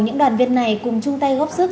những đoàn viên này cùng chung tay góp sức